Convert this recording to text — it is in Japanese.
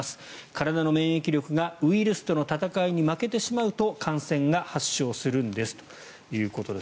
体の免疫力がウイルスとの戦いに負けてしまうと感染が発症するんですということです。